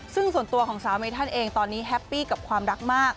ซึ่งส่วนตัวของสาวเมธันเองตอนนี้แฮปปี้กับความรักมาก